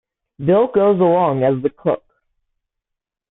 Bill goes along as the cook.